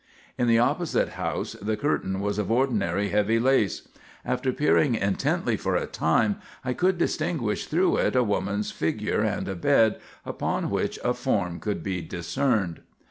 In the opposite house the curtain was of ordinary heavy lace. After peering intently for a time, I could distinguish through it a woman's figure and a bed, upon which a form could be discerned.